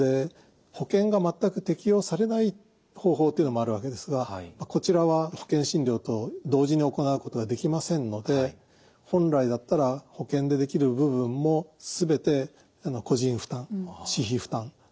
保険が全く適用されない方法というのもあるわけですがこちらは保険診療と同時に行うことができませんので本来だったら保険でできる部分も全て個人負担私費負担。